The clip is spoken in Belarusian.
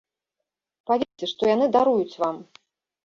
Паверце, што яны даруюць вам.